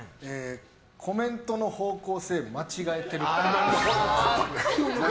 コメントの方向性間違えているっぽい。